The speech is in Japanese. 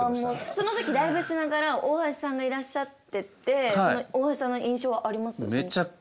その時ライブしながら大橋さんがいらっしゃっててその大橋さんの印象はあります？